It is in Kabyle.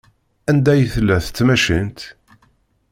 Anda ay tella tmacint?